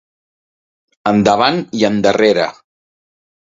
Endavant i endarrere.